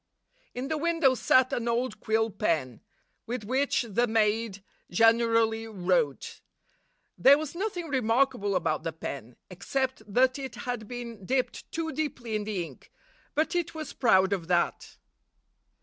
In the window sat an old quill pen, with which the maid generally wrote. There was nothing remarkable about the pen, except that it had been dipped too deeply in the ink; but it was proud of that.